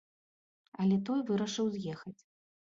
Але той вырашыў з'ехаць.